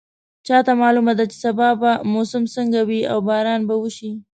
چا ته معلومه ده چې سبا به موسم څنګه وي او باران به وشي